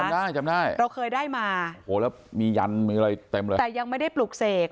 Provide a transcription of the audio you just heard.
จำได้เราเคยได้มาโอ้โหแล้วมียันมีอะไรเต็มเลยแต่ยังไม่ได้ปลุกเสก